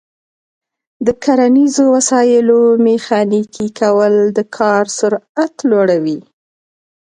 د کرنیزو وسایلو میخانیکي کول د کار سرعت لوړوي.